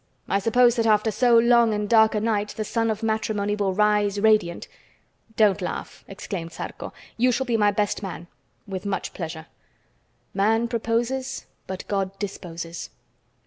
I suppose that after so long and dark a night the sun of matrimony will rise radiant." "Don't laugh," exclaimed Zarco; "you shall be my best man." "With much pleasure." Man proposes, but God disposes.